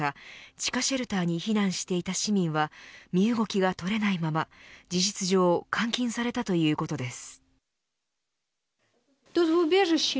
地下シェルターに避難していた市民は身動きが取れないまま事実上監禁されたということです。